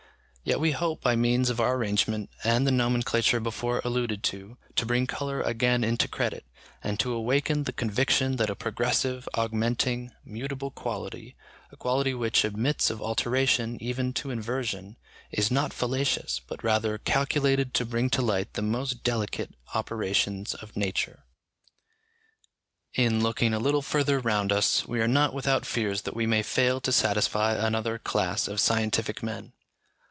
Yet we hope by means of our arrangement and the nomenclature before alluded to, to bring colour again into credit, and to awaken the conviction that a progressive, augmenting, mutable quality, a quality which admits of alteration even to inversion, is not fallacious, but rather calculated to bring to light the most delicate operations of nature. In looking a little further round us, we are not without fears that we may fail to satisfy another class of scientific men.